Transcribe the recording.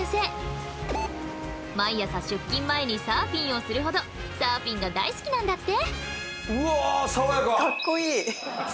毎朝出勤前にサーフィンをするほどサーフィンが大好きなんだって。